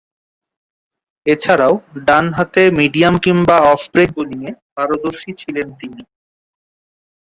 এছাড়াও, ডানহাতে মিডিয়াম কিংবা অফ ব্রেক বোলিংয়ে পারদর্শী ছিলেন তিনি।